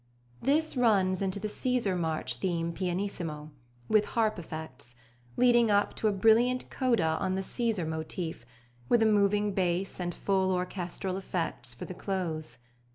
This runs into the Cæsar march theme pianissimo, with harp effects, leading up to a brilliant coda on the Cæsar motif, with a moving bass and full orchestral effects for the close.